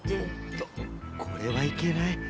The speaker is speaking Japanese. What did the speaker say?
おっとこれはいけない。